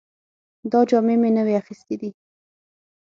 دا جامې مې نوې اخیستې دي